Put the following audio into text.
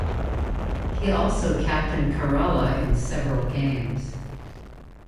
He also captained Kerala in several games.